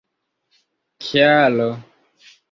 kialo